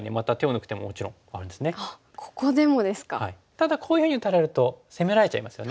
ただこういうふうに打たれると攻められちゃいますよね。